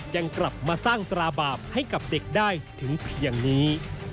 ยังกลับมาสร้างตราบาปให้กับเด็กได้ถึงเพียงนี้